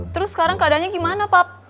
terus sekarang keadanya gimana pap